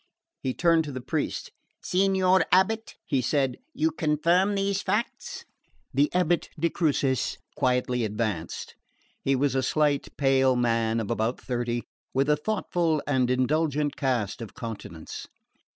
He turned to the priest. "Signor abate," he said, "you confirm these facts?" The abate de Crucis quietly advanced. He was a slight pale man of about thirty, with a thoughtful and indulgent cast of countenance.